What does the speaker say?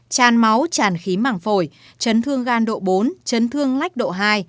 tràn máu tràn khí mảng phổi chấn thương gan độ bốn chấn thương lách độ hai